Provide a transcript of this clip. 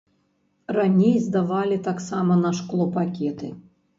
Раней здавалі таксама на шклопакеты.